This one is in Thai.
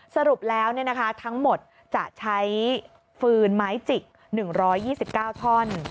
สรุปแล้วทั้งหมดจะใช้ฟืนไม้จิก๑๒๙ท่อน